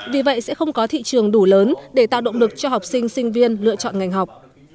vì vậy sẽ không có thị trường đủ lớn để tạo động lực cho học sinh sinh viên lựa chọn ngành học